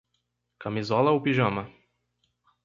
Camisola ou pijama